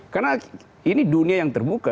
karena ini dunia yang terbuka